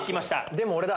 でも俺だ。